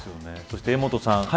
そして、柄本さん